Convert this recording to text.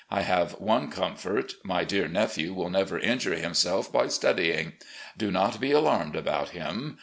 I have one comfort: my dear nephew will never injure himself by stud)dng. Do not be alarmed about him.